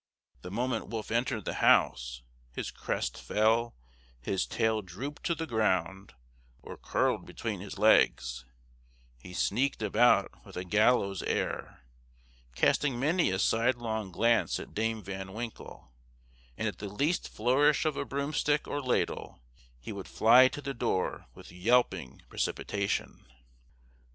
The moment Wolf entered the house, his crest fell, his tail drooped to the ground, or curled between his legs, he sneaked about with a gallows air, casting many a sidelong glance at Dame Van Winkle, and at the least flourish of a broomstick or ladle, he would fly to the door with yelping precipitation.